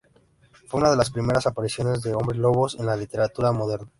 Fue una de las primeras apariciones de hombres lobos en la literatura moderna.